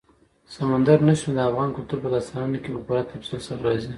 سمندر نه شتون د افغان کلتور په داستانونو کې په پوره تفصیل سره راځي.